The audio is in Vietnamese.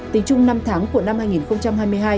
tính chung năm tháng của năm hai nghìn hai mươi hai